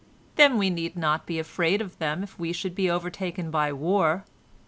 Then we need not be afraid of them if we should be overtaken by war.